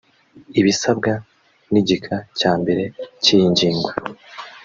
ibisabwa n’igika cya mbere cy’iyi ngingo